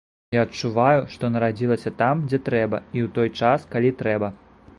І адчуваю, што нарадзілася там, дзе трэба і ў той час, калі трэба.